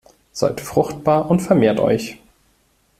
Seid fruchtbar und vermehrt euch!